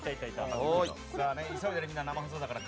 急いで、みんな生放送だから。